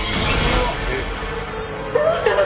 どうしたの！？